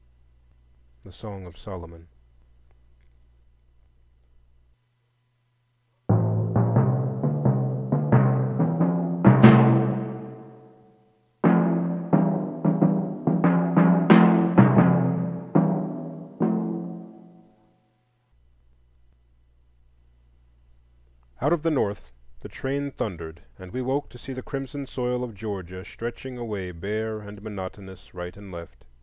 THE SONG OF SOLOMON. Out of the North the train thundered, and we woke to see the crimson soil of Georgia stretching away bare and monotonous right and left.